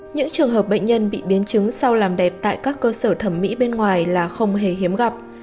những trường hợp bệnh nhân bị biến chứng sau làm đẹp tại các cơ sở thẩm mỹ bên ngoài là không hề hiếm gặp